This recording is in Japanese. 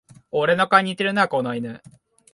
俺の顔に似てるな、この犬